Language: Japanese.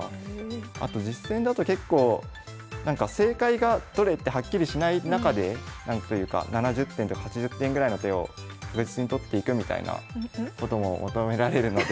あと実戦だと結構なんか正解がどれってはっきりしない中で何というか７０点とか８０点ぐらいの手を確実にとっていくみたいなことも求められるので。